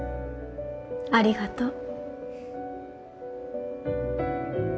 ありがとう。